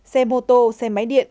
xe mô tô xe máy điện